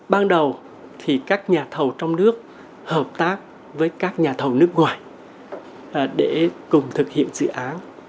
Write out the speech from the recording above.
ban đầu thì các nhà thầu trong nước hợp tác với các nhà thầu nước ngoài để cùng thực hiện dự án